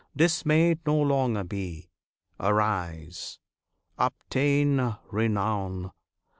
Dismayed No longer be! Arise! obtain renown!